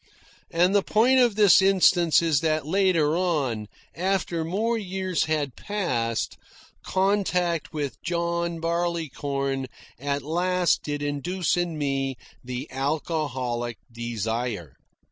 And the point of this instance is that later on, after more years had passed, contact with John Barleycorn at last did induce in me the alcoholic desire.